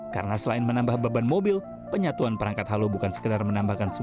karena selain menambah beban mobil penyatuan perangkat halo bukan sekedar menambahkan